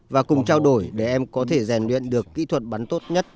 và cùng trao đổi để em có thể rèn luyện được kỹ thuật bắn tốt nhất